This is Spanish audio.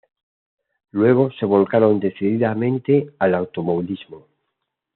Luego se volcaron decididamente al automovilismo.